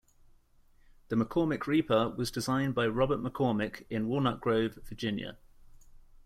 The "McCormick Reaper" was designed by Robert McCormick in Walnut Grove, Virginia.